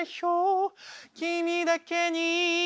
「君だけに」